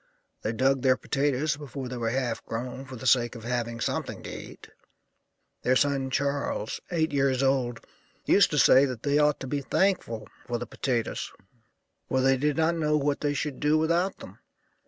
They dug their potatoes before they were half grown, for the sake of having something to eat. Their son Charles, eight years old, used to say that they ought to be thankful for the potatoes, for they did not know what they should do without them.